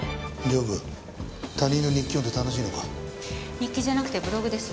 日記じゃなくてブログです。